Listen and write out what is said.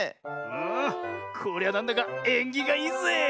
うん。こりゃなんだかえんぎがいいぜえ。